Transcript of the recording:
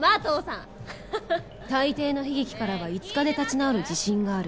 大抵の悲劇からは５日で立ち直る自信がある